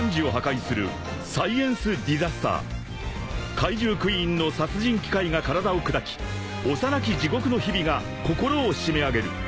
［怪獣クイーンの殺人機械が体を砕き幼き地獄の日々が心を締め上げる］